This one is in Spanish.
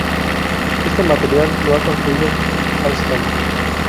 Este material lo ha construido Alstom.